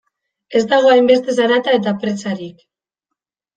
Ez dago hainbeste zarata eta presarik.